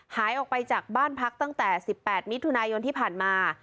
หายออกไปจากบ้านพักตั้งแต่๑๘มิถุนายนที่ผ่านมา